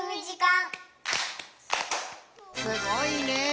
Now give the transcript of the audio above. すごいね！